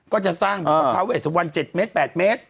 ก็จะสร้างท้าเวสวรรณ๗เมตร๘เมตร